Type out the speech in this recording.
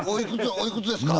おいくつですか？